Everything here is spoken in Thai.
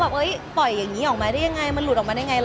เขาแบบเต่งว่าปล่อยได้รึเปล่ายังไงมันจะหลุดออกมาได้ไง